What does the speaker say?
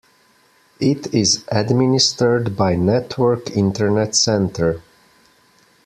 It is administered by Network Internet Center.